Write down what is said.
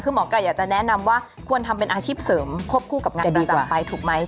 คือหมอไก่อยากจะแนะนำว่าควรทำเป็นอาชีพเสริมควบคู่กับงานดีต่อไปถูกไหม